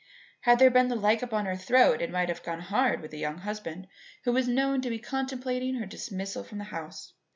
Had there been the like upon her throat it might have gone hard with the young husband who was known to be contemplating her dismissal from the house.